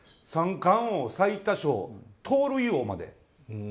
三冠王、最多勝、盗塁王まで。